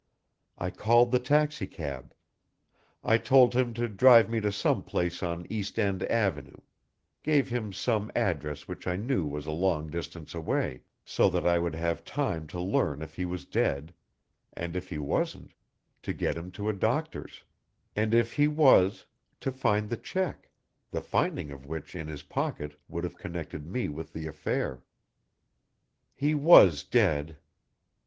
I called the taxicab I told him to drive me to some place on East End Avenue gave him some address which I knew was a long distance away so that I would have time to learn if he was dead and if he wasn't, to get him to a doctor's; and if he was, to find the check the finding of which in his pocket would have connected me with the affair. "He was dead!"